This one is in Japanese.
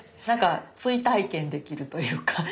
何か追体験できるというか。